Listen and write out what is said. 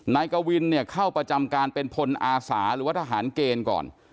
นายกวินเนี่ยเข้าประจำการเป็นพลอาสาหรือว่าทหารเกณฑ์ก่อน